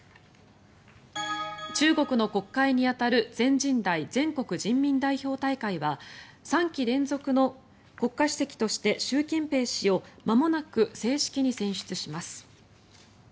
中国の国会に当たる全人代・全国人民代表大会は３期連続の国家主席として習近平氏をまもなく正式に選出します。